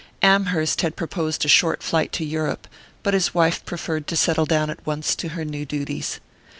Amherst had proposed a short flight to Europe; but his wife preferred to settle down at once to her new duties.